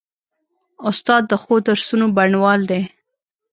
استاد د ښو درسونو بڼوال دی.